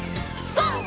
ＧＯ！